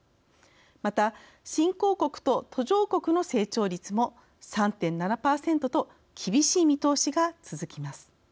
また、新興国と途上国の成長率も３．７％と厳しい見通しが続きます。